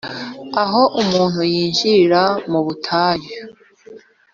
aho umuntu yinjirira mu butayu